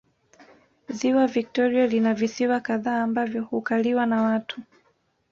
Ziwa Victoria lina visiwa kadhaa ambavyo hukaliwa na watu